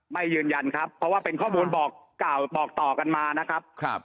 ไม่ยืนยันครับเพราะว่าเป็นข้อมูลบอกเก่าบอกต่อกันมานะครับ